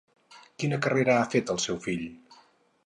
Quina carrera ha fet el seu fill?